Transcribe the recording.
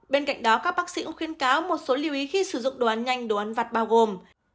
bên cạnh đó các bác sĩ cũng khuyên cáo một số lưu ý khi sử dụng đồ ăn nhanh đồ ăn vặt bao gồm